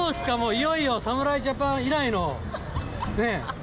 いよいよ侍ジャパン以来の、ねっ。